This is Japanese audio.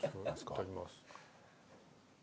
いただきます。